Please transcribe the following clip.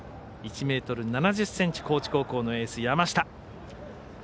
１ｍ７０ｃｍ高知高校のエース、山下。